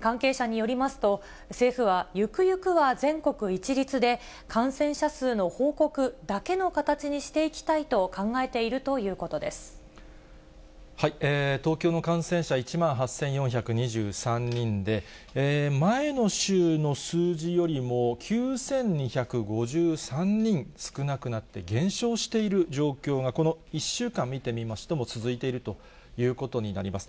関係者によりますと、政府は、ゆくゆくは全国一律で、感染者数の報告だけの形にしていきたいと考えているということで東京の感染者、１万８４２３人で、前の週の数字よりも９２５３人少なくなって、減少している状況が、この１週間見てみましても、続いているということになります。